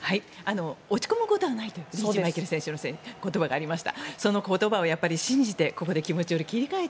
落ち込むことはないとリーチマイケル選手の言葉がありました。